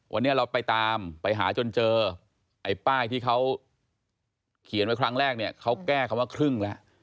วันนี้เราไปตามไปหาจนเจอไอ้ป้ายที่เขาเขียนไว้ครั้งแรกเนี่ยเขาแก้คำว่าครึ่งแล้ว